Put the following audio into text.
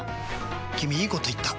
君いいこと言った！